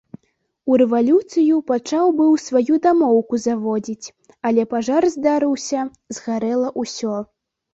У рэвалюцыю пачаў быў сваю дамоўку заводзіць, але пажар здарыўся, згарэла ўсё.